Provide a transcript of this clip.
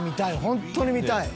本当に見たい！